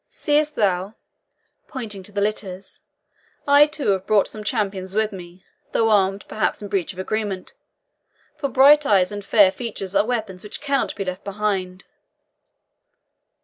Seest thou," pointing to the litters, "I too have brought some champions with me, though armed, perhaps, in breach of agreement; for bright eyes and fair features are weapons which cannot be left behind."